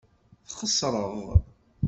Txeṣreḍ.